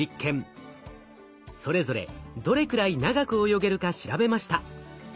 それぞれどれくらい長く泳げるか調べました。